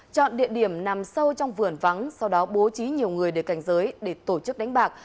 chọn địa điểm nằm sâu trong vườn vắng sau đó bố trí nhiều người để cảnh giới để tổ chức đánh bạc